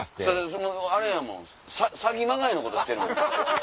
それあれやもん詐欺まがいのことしてるもん。